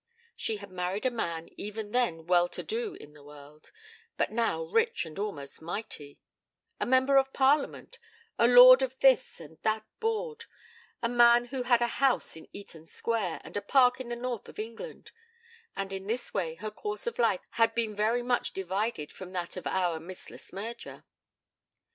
She had married a man even then well to do in the world, but now rich and almost mighty; a Member of Parliament, a Lord of this and that board, a man who had a house in Eaton Square, and a park in the north of England; and in this way her course of life had been very much divided from that of our Miss Le Smyrger.